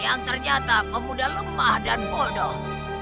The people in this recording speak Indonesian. yang ternyata pemuda lemah dan bodoh